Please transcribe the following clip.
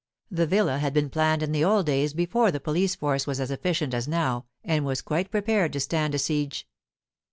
The villa had been planned in the old days before the police force was as efficient as now, and it was quite prepared to stand a siege.